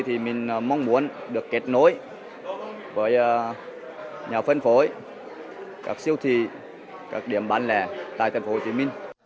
thì mình mong muốn được kết nối với nhà phân phối các siêu thị các điểm bán lẻ tại tp hcm